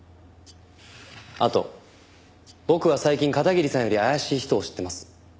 あと僕は最近片桐さんより怪しい人を知ってます。